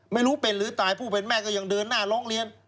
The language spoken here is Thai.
ไม่รู้เป็นหรือตายผู้เป็นแม่ก็ยังเดินหน้าร้องเรียน